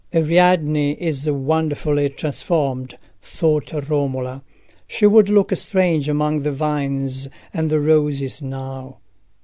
"Ariadne is wonderfully transformed," thought Romola. "She would look strange among the vines and the roses now."